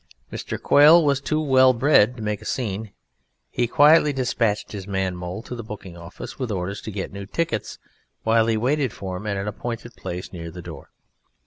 Mr. Quail was too well bred to make a scene. He quietly despatched his man Mole to the booking office with orders to get new tickets while he waited for him at an appointed place near the door.